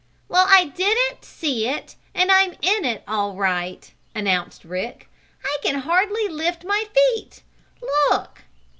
"Well, I didn't see it, and I'm in it all right," announced Rick. "I can't hardly lift my feet. Look!"